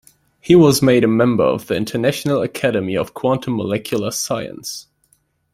He was made a member of the International Academy of Quantum Molecular Science.